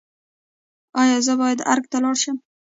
ایا زه باید ارګ ته لاړ شم؟